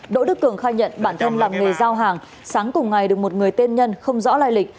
đỗ đức cường khai nhận bản thân làm nghề giao hàng sáng cùng ngày được một người tên nhân không rõ lai lịch